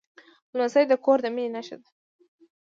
لمسی د کور د مینې نښه ده.